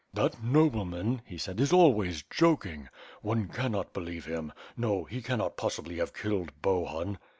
"That nobleman," he said, "is always joking. One cannot believe him; no, no, he cannot possibly have killed Bohun."